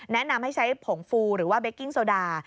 แนะนำให้ใช้ผงฟูหรือว่าเบกกิ้งโซดา